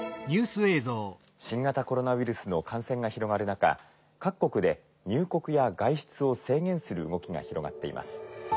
「新型コロナウイルスの感染が広がる中各国で入国や外出を制限する動きが広がっています」。